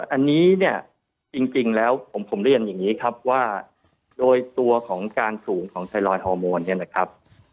อันนี้เนี่ยจริงแล้วผมเรียนอย่างนี้ครับว่าโดยตัวของการสูงของไทรอยดอร์โมนเนี่ยนะครับ